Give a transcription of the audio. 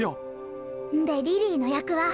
んでリリーのやくは。